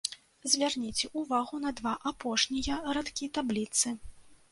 Звярніце ўвагу на два апошнія радкі табліцы.